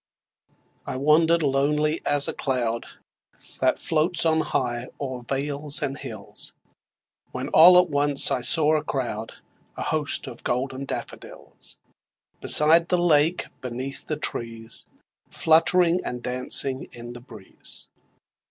I wander'd lonely as a cloud That floats on high o'er vales and hills, When all at once I saw a crowd, A host of golden daffodils, Beside the lake, beneath the trees, Fluttering and dancing in the breeze.